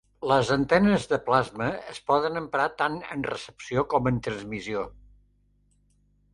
Les antenes de plasma es poden emprar tant en recepció com en transmissió.